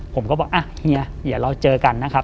ผมก็บอกอ่ะเฮียเดี๋ยวเราเจอกันนะครับ